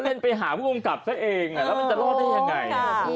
เล่นไปหาผู้กำกับซะเองแล้วมันจะรอดได้ยังไง